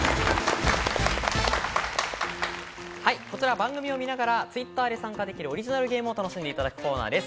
番組を見ながらＴｗｉｔｔｅｒで参加できるオリジナルゲームを楽しんでいただくコーナーです。